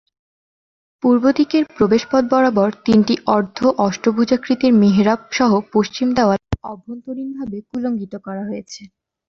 পূর্বদিকের প্রবেশপথ বরাবর তিনটি অর্ধ-অষ্টভুজাকৃতির মিহরাবসহ পশ্চিম দেওয়াল অভ্যন্তরীণভাবে কুলুঙ্গিত করা হয়েছে।